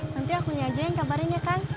nanti aku aja yang kabarin ya kan